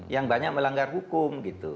yang banyak melanggar hukum